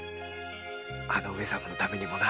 あの上様のためにもな。